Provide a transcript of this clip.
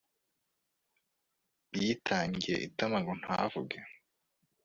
yitangiye itama ngo ntavuge